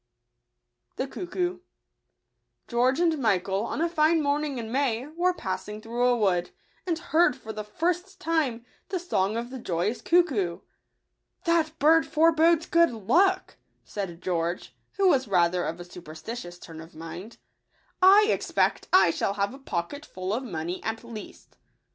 ®&e <g£ucfcoo. j^EORGE and Michael, on a fine morning in May, were passing through a wood, and heard for the first time the song of the joyous cuckoo. " That bird forebodes good luck," said George, who was rather of a superstitious turn of mind ;" I expect I shall have a poc ketful of money at least!"